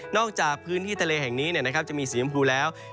นอกจากพื้นที่ทะเลแห่งนี้เนี่ยนะครับจะมีสีชมพูแล้ว